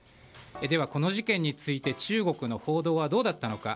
では、この事件について中国の報道はどうだったのか。